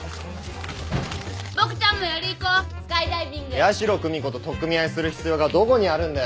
矢代久美子と取っ組み合いする必要がどこにあるんだよ。